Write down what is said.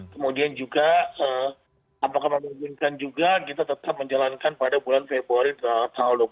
kemudian juga apakah memungkinkan juga kita tetap menjalankan pada bulan februari ke tahun dua ribu dua puluh satu